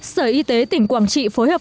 sở y tế tỉnh quảng trị phối hợp